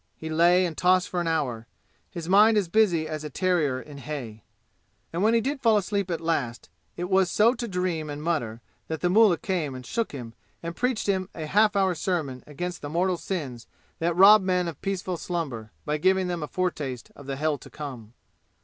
He lay and tossed for an hour, his mind as busy as a terrier in hay. And when he did fall asleep at last it was so to dream and mutter that the mullah came and shook him and preached him a half hour sermon against the mortal sins that rob men of peaceful slumber by giving them a foretaste of the hell to come.